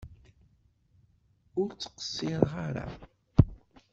Ur ttqeṣṣireɣ ara!